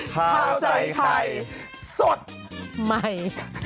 ข้าวใส่ไข่สดใหม่